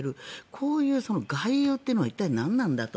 こういう外遊ってのは一体何なんだと。